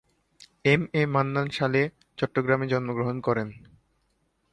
M A Mannan সালে চট্টগ্রামে জন্মগ্রহণ করেন।